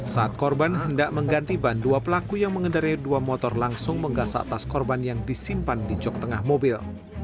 saat korban hendak mengganti ban dua pelaku yang mengendarai dua motor langsung menggasak tas korban yang disimpan di jok tengah mobil